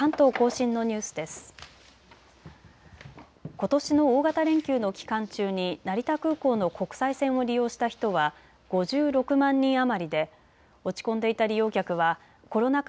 ことしの大型連休の期間中に成田空港の国際線を利用した人は５６万人余りで落ち込んでいた利用客はコロナ禍